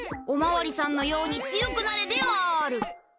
おまわりさんのように強くなれである」。